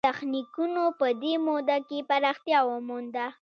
تخنیکونو په دې موده کې پراختیا ومونده.